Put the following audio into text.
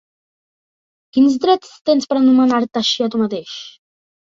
Quin drets tens per anomenar-te així a tu mateix?